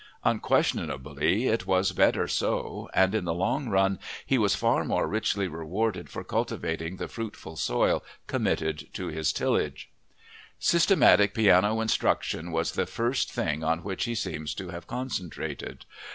Unquestionably it was better so, and in the long run he was far more richly rewarded for cultivating the fruitful soil committed to his tillage. Systematic piano instruction was the first thing on which he seems to have concentrated.